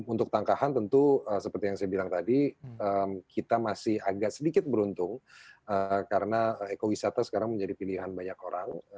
untuk tangkahan tentu seperti yang saya bilang tadi kita masih agak sedikit beruntung karena ekowisata sekarang menjadi pilihan banyak orang